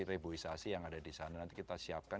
reboisasi yang ada di sana nanti kita siapkan